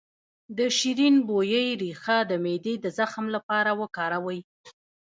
د شیرین بویې ریښه د معدې د زخم لپاره وکاروئ